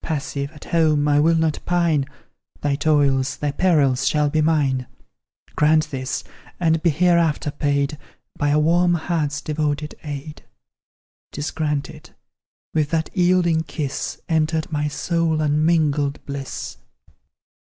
Passive, at home, I will not pine; Thy toils, thy perils shall be mine; Grant this and be hereafter paid By a warm heart's devoted aid: 'Tis granted with that yielding kiss, Entered my soul unmingled bliss.